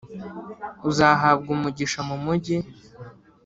“Uzahabwa umugisha mu mugi,